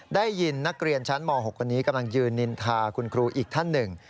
ได้ยินนักเรียนชั้นม๖คนนี้กำลังยืนนินทาคุณครูอีกท่านหนึ่ง